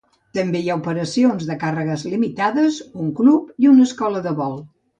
També hi ha operacions de càrrega limitades, un club i una escola de vol.